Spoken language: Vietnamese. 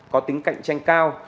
có tính cạnh tranh cao